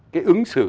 cái ứng xử